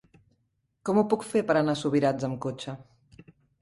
Com ho puc fer per anar a Subirats amb cotxe?